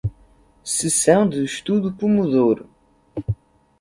Sessão de estudo pomodoro